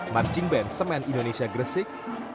marching band semen indonesia gresik